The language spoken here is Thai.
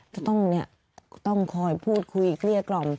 จะต้องคอยพูดคุยเกลี้ยกล่อม